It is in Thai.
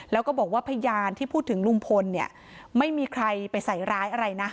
แล้วก็บอกว่าพยานที่พูดถึงลุงพลเนี่ยไม่มีใครไปใส่ร้ายอะไรนะ